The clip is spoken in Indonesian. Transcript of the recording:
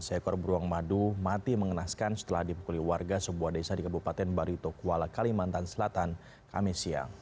seekor beruang madu mati mengenaskan setelah dipukuli warga sebuah desa di kabupaten baritokuala kalimantan selatan kamisya